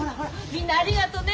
みんなありがとね。